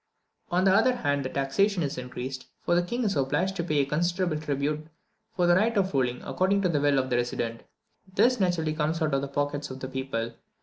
On the other hand, the taxation is increased, for the king is obliged to pay a considerable tribute for the right of ruling according to the will of the resident. This naturally comes out of the pockets of the people.